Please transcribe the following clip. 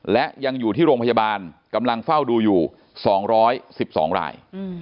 และยังอยู่ที่โรงพยาบาลกำลังเฝ้าดูอยู่๒๑๒ราย